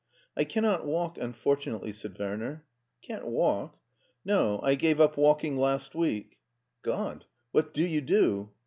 " I cannot walk, unfortunately," said Werner. "Can't walk!" " No, I gave up walking last week." "God! What do you do?"